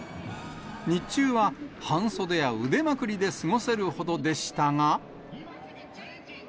日中は半袖や腕まくりで過ごせるほどでしたが。